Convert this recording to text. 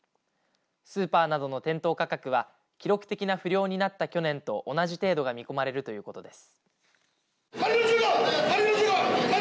スーパーなどの店頭価格は記録的な不漁になった去年と同じ程度が見込まれるということです。